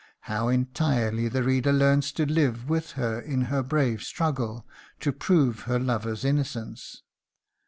How entirely the reader learns to live with her in her brave struggle to prove her lover's innocence!